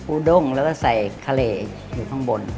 ูด้งแล้วก็ใส่ทะเลอยู่ข้างบน